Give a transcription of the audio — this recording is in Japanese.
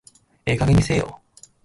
ええ加減にせえよ